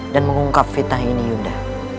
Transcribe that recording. dan mengungkap fitnah ini yunda